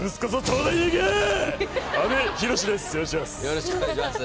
よろしくお願いします」